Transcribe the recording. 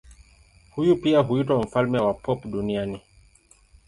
Huyu pia huitwa mfalme wa pop duniani.